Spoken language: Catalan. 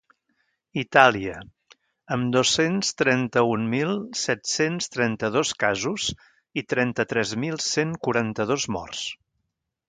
Itàlia, amb dos-cents trenta-un mil set-cents trenta-dos casos i trenta-tres mil cent quaranta-dos morts.